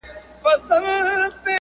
په همدې میدان کې